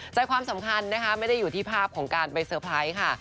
ใจความสำคัญนะคะไม่ได้อยู่ที่ภาพของการไปเซอร์ไพรส์ค่ะ